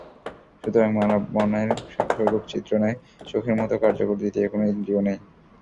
সুতরাং মানবমনের স্বরূপ চিত্রণে চোখের মতো কার্যকর দ্বিতীয় কোনো ইন্দ্রিয় নেই।